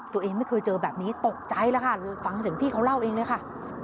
ตัวเองไม่เคยเจอแบบนี้ตกใจแล้วค่ะฟังเสียงพี่เขาเล่าเองเลยค่ะ